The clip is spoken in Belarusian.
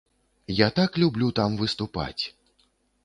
Я так люблю там выступаць!